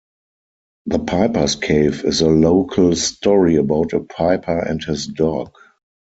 "The Piper's Cave" is a local story about a piper and his dog.